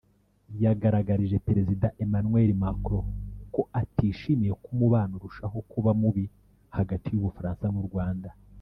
yagaragarije Perezida Emmanuel Macron ko atishimiye ko umubano urushaho kuba mubi hagati y’u Bufaransa n’u Rwanda